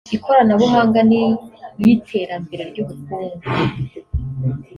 ikoranabuhanga n’iy’iterambere ry’ubukungu